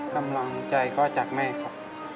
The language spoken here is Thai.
กำลังใจก็จากแม่ครับ